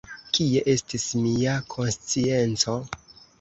Kie estis mia konscienco!